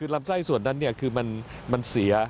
ลำไส้ส่วนนั้นคือมันเสีย